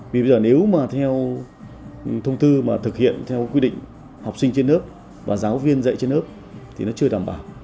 vì bây giờ nếu mà theo thông tư mà thực hiện theo quy định học sinh trên lớp và giáo viên dạy trên lớp thì nó chưa đảm bảo